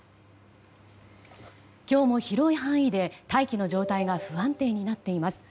今日も広い範囲で大気の状態が不安定になっています。